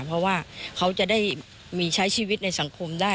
เพราะว่าเขาจะได้มีใช้ชีวิตในสังคมได้